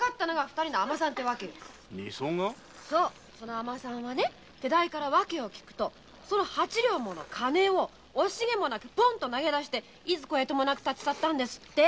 尼さんは手代に訳を聞くと八両もの金をポンと投げ出していずこへともなく立ち去ったんですって。